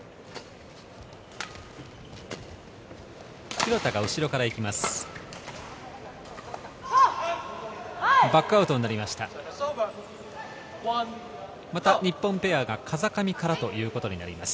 廣田が後ろから行きます。